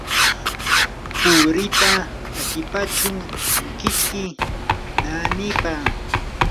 puriita atipachu kichki naanipa.